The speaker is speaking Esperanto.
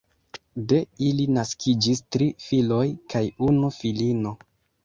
De ili naskiĝis tri filoj kaj unu filino.